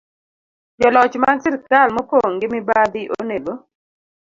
Joloch mag sirkal mopong ' gi mibadhi onego